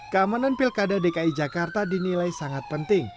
keamanan pilkada dki jakarta dinilai sangat penting